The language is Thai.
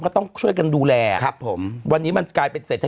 แล้วก็ต้องก็ก็ช่วยกันดูแลวันนี้แข่งเป็นเศรษฐกิจ